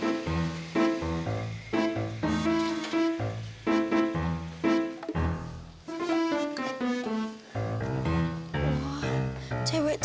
wah cewek cantik